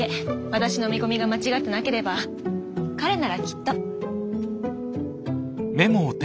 私の見込みが間違ってなければ彼ならきっと。